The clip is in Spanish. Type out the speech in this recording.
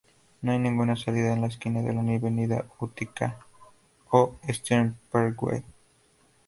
No hay ninguna salida en la esquina de la avenida Utica o Eastern Parkway.